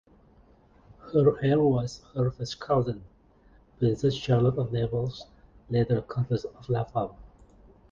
Her heir was her first cousin, Princess Charlotte of Naples, later Countess of Laval.